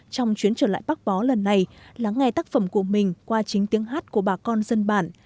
trong chuyến trở lại bắc bó lần này lắng nghe tác phẩm của mình qua chính tiếng hát của bà con dân bản